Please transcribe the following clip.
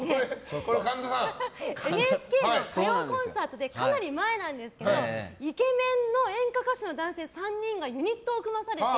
ＮＨＫの「歌謡コンサート」でかなり前なんですけどイケメンの演歌歌手の男性３人がユニットを組まされて。